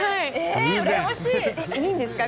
いいんですか？